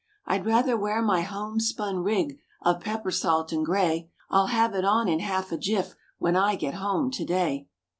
I'd rather wear my homespun rig of pepper salt and gray I'll have it on in half a jiff, when I get home to day.